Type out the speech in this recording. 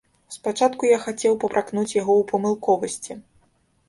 Спачатку я хацеў папракнуць яго ў памылковасці.